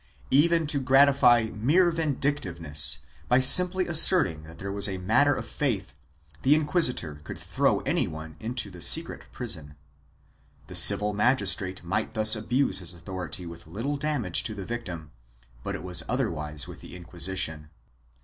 Even to gratify mere vindict iveness, by simply asserting that there was a matter of faith, the inquisitor could throw any one into the secret prison. The civil magistrate might thus abuse his authority with little damage to the victim, but it was otherwise with the Inquisition.